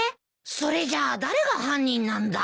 それじゃ誰が犯人なんだ？